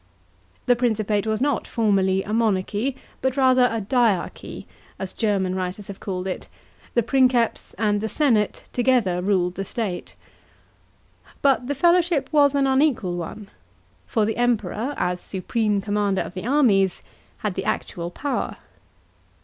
The Principate was not formally a monarchy, but rather a " dyarchy," as German writers have callid it; the Princeps and the senate together ruled the state. But the fellowship was an unequal one, for the Emperor, as supreme commander of the armies, had the actual power.